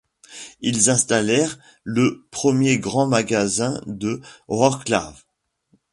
Ils installèrent le premier Grand Magasin de Wrocław.